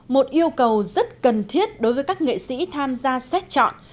một yêu cầu rất cần thiết đối với các nghệ sĩ tham gia xét chọn